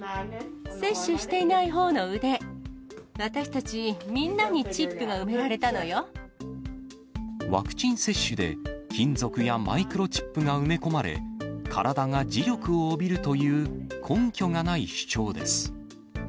接種していないほうの腕、私たち、ワクチン接種で、金属やマイクロチップが埋め込まれ、体が磁力を帯びるという、根拠がない主張です。